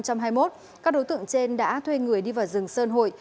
các đối tượng trên đã thuê người đi vào rừng sơn hội